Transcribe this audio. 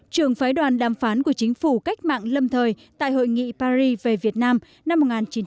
trưởng phái đoàn đàm phán của chính phủ cách mạng lâm thời tại hội nghị paris về việt nam năm một nghìn chín trăm sáu mươi chín một nghìn chín trăm bảy mươi ba